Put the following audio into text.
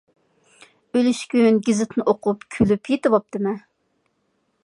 ئۈلۈشكۈن گېزىتنى ئوقۇپ كۈلۈپ يېتىۋاپتىمەن.